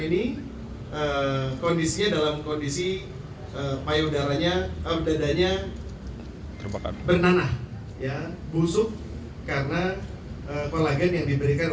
ini kondisinya dalam kondisi payudaranya dadanya bernanah ya busuk karena kolagen yang diberikan